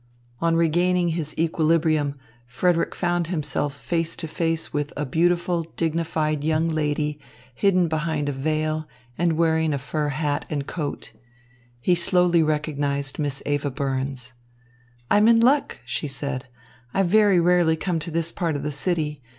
On regaining his equilibrium Frederick found himself face to face with a beautiful, dignified young lady hidden behind a veil and wearing a fur hat and coat. He slowly recognised Miss Eva Burns. "I'm in luck," she said. "I very rarely come to this part of the city.